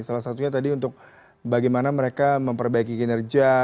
salah satunya tadi untuk bagaimana mereka memperbaiki kinerja